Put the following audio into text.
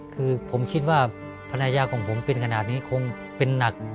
คือผมคิดว่าภรรยาของผมเป็นขนาดนี้คงเป็นหนัก